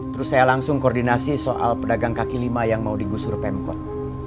terus saya langsung koordinasi soal pedagang kaki lima yang mau digusur pemkot